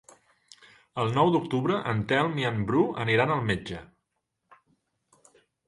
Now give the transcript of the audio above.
El nou d'octubre en Telm i en Bru aniran al metge.